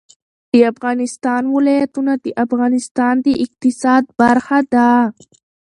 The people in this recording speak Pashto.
د افغانستان ولايتونه د افغانستان د اقتصاد برخه ده.